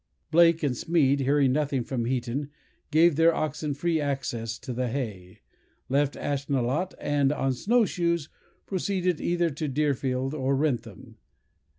Blake and Smeed, hearing nothing from Heaton, gave the oxen free access to the hay, left Ashnelot, and, on snow shoes, proceeded either to Deerfield or Wrentham.